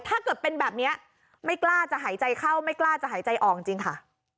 ถ้าเกิดเป็นแบบนี้ไม่กล้าจะหายใจเข้าไม่กล้าจะหายใจออกจริงค่ะ